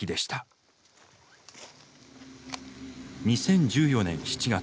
２０１４年７月。